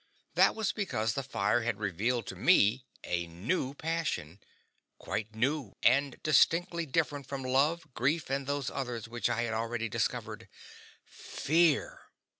That was because the fire had revealed to me a new passion quite new, and distinctly different from love, grief, and those others which I had already discovered FEAR.